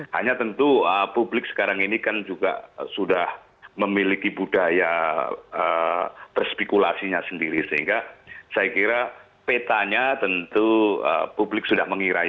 hanya tentu publik sekarang ini kan juga sudah memiliki budaya berspekulasinya sendiri sehingga saya kira petanya tentu publik sudah mengira